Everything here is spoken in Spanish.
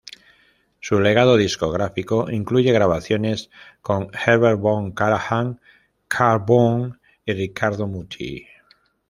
Su legado discográfico incluye grabaciones con Herbert von Karajan, Karl Böhm y Riccardo Muti.